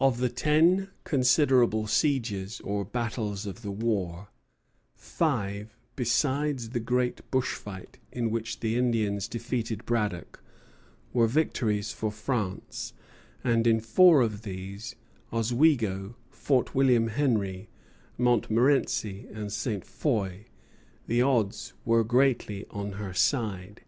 Of the ten considerable sieges or battles of the war, five, besides the great bushfight in which the Indians defeated Braddock, were victories for France; and in four of these Oswego, Fort William Henry, Montmorenci, and Ste. Foy the odds were greatly on her side.